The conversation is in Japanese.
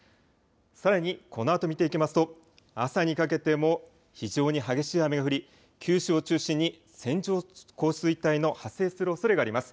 さらにこのあと見ていきますと朝にかけても非常に激しい雨が降り、九州を中心に線状降水帯の発生するおそれがあります。